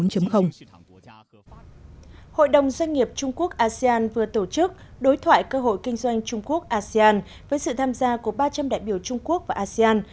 hội đồng doanh nghiệp trung quốc asean vừa tổ chức đối thoại cơ hội kinh doanh trung quốc asean với sự tham gia của ba trăm linh đại biểu trung quốc và asean